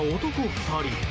２人。